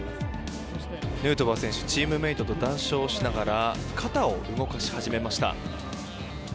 ヌートバー選手チームメートと談笑しながら肩を動かし始めました。